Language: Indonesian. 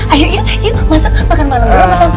ayo yuk masuk makan malam dulu sama tante yuk